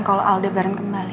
kalau aldebaran kembali